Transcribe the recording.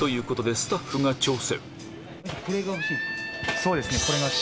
そうですね。